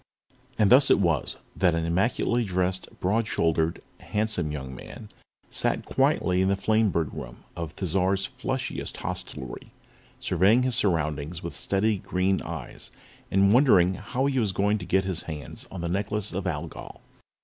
And thus it was that an immaculately dressed, broad shouldered, handsome young man sat quietly in the Flamebird Room of Thizar's flushiest hostelry surveying his surroundings with steady green eyes and wondering how he was going to get his hands on the Necklace of Algol.